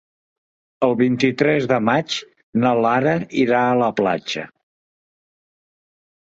El vint-i-tres de maig na Lara irà a la platja.